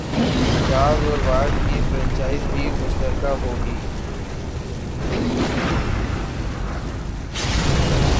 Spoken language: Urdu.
جاز اور وارد کی فرنچائز بھی مشترکہ ہوں گی